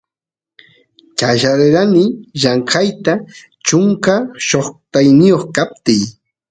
qallarerani llamkayta chunka shoqtayoq kaptiy